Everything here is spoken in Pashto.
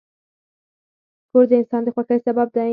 کور د انسان د خوښۍ سبب دی.